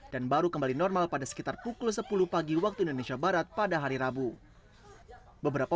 dan baru kembali normal pada sekitar pukul sepuluh pagi waktu indonesia barat pada hari rabu beberapa